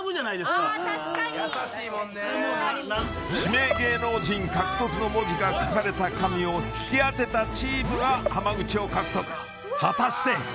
確かに優しいもんね「指名芸能人獲得」の文字が書かれた紙を引き当てたチームが浜口を獲得果たして？